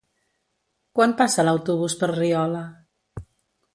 Quan passa l'autobús per Riola?